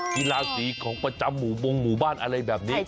กีฬาศรีของประจำหมูบ้านอะไรแบบนี้